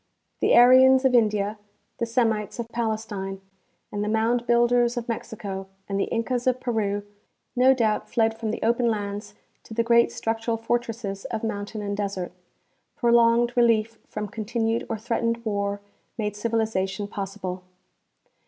The Aryans of India, the Semites of Palestine, and the mound builders of Mexico and the Incas of Peru no doubt fled from the open lands to the great structural fortresses of mountain and desert. Prolonged relief from con tinued or threatened war made civilization possible.